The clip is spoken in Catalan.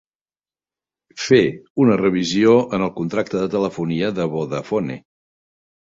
Fer una revisió en el contracte de telefonia de Vodafone.